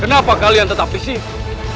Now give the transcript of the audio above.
kenapa kalian tetap di sini